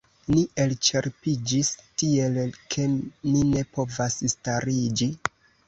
Ni elĉerpiĝis tiel ke ni ne povas stariĝi.